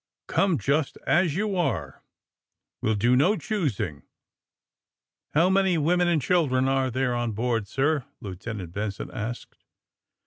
'' Come just as you are. We '11 do no choosing." '^ How many women and children are there on board, sir!" Lieutenant Benson asked.